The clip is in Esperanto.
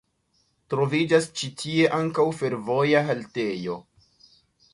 Troviĝas ĉi tie ankaŭ fervoja haltejo.